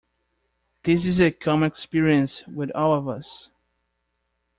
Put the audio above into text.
This is a common experience with all of us.